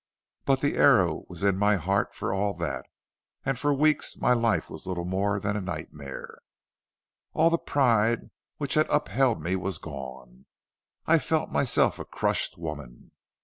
"But the arrow was in my heart for all that, and for weeks my life was little more than a nightmare. All the pride which had upheld me was gone. I felt myself a crushed woman.